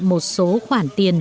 một số khoản tiền